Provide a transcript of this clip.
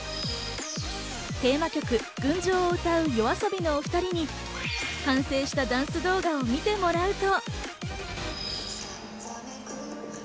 テーマ曲『群青』を歌うＹＯＡＳＯＢＩのお２人に完成したダンス動画を見てもらうと。